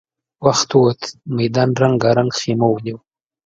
وخت ووت، ميدان رنګارنګ خيمو ونيو.